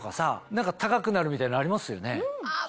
何か高くなるみたいなのありますよね？